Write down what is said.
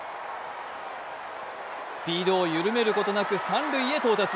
スピードを緩めることなく三塁へ到達。